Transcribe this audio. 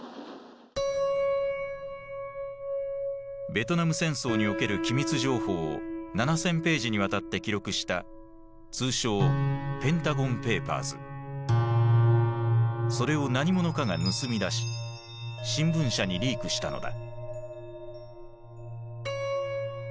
ベトナム戦争における機密情報を７，０００ページにわたって記録した通称それを何者かが盗み出し新聞社にリークしたのだ。